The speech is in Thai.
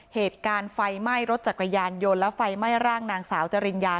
เหตุการณ์ไฟไหม้รถจักรยานยนต์และไฟไหม้ร่างนางสาวจริญญา